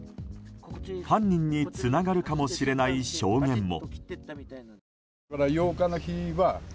犯人につながるかもしれない証言も。